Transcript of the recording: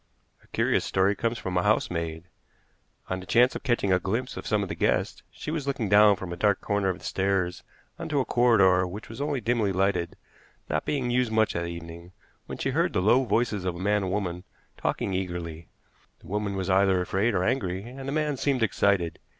A curious story comes from a housemaid. On the chance of catching a glimpse of some of the guests, she was looking down from a dark corner of the stairs on to a corridor which was only dimly lighted, not being used much that evening, when she heard the low voices of a man and woman talking eagerly. The woman was either afraid or angry, and the man seemed excited.